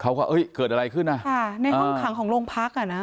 ว่าเอ้ยเกิดอะไรขึ้นอ่ะค่ะในห้องขังของโรงพักอ่ะนะ